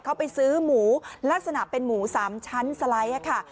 เขาไปซื้อหมูลักษณะเป็นหมู๓ชั้นสไลด์ค่ะ